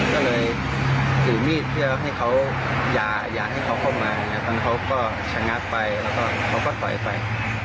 ก็เลยถึงมีดไปให้เขายาให้เขาเข้ามาอ่ะนะครับต้นเขาก็ฉะนัดไปแล้วก็แล้วก็ถอยไป